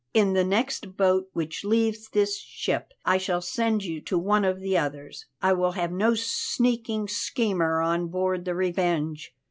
In the next boat which leaves this ship I shall send you to one of the others; I will have no sneaking schemer on board the Revenge.